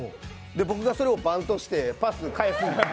僕がそれをバントして、パスを返すんです。